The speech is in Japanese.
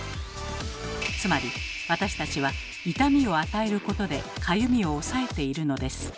つまり私たちは痛みを与えることでかゆみを抑えているのです。